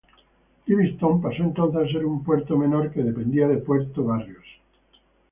Livingston pasó entonces a ser un puerto menor que dependía de Puerto Barrios.